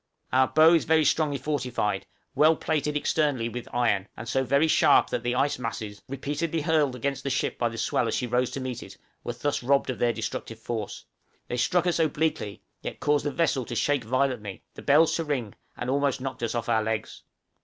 {DANGER FROM ICE MASSES.} Our bow is very strongly fortified, well plated externally with iron, and so very sharp that the ice masses, repeatedly hurled against the ship by the swell as she rose to meet it, were thus robbed of their destructive force; they struck us obliquely, yet caused the vessel to shake violently, the bells to ring, and almost knocked us off our legs.